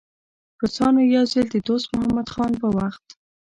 روسانو یو ځل د دوست محمد خان په وخت.